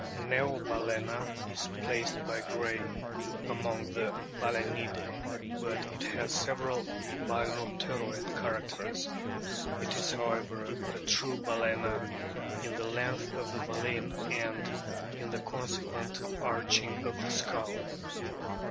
Neobal&na is placed by Gray among the Balsenidae ; but it has several Balaenopteroid characters. It is, however, a true Balana in the length of the baleen and in the consequent arching of the skull.